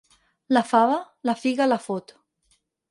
La fava, la figa la fot.